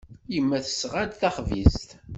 Yemma tesɣa-d taxbizt.